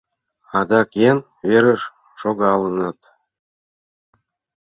Адак еҥ верыш шогалынат?